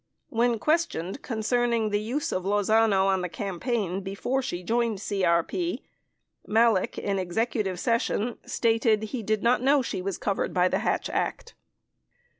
When questioned concerning the use of Lozano in the campaign before she joined CRP, Malek, in executive session, stated he did not know she was covered by the Hatch Act.